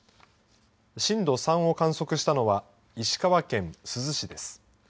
震度３を観測したのは石川県珠洲市です。